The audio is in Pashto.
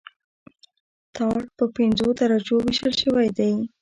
ټار په پنځو درجو ویشل شوی دی